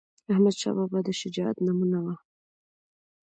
احمدشاه بابا د شجاعت نمونه وه..